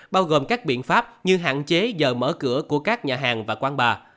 bao gồm các biện pháp như hạn chế giờ mở cửa của các nhà hàng và quán bà